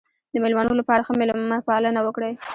د مېلمنو لپاره ښه مېلمه پالنه وکړئ.